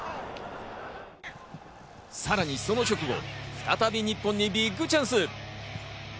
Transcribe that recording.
さらにその直後、再び日本にビッグチャンス。